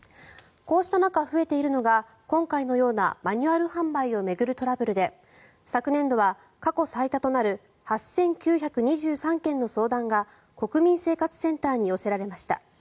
こうした中、増えているのが今回のようなマニュアル販売を巡るトラブルで昨年度は過去最多となる８９２３件の相談が国民生活センターに寄せられました。